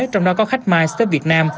trong đó có khách miles tới việt nam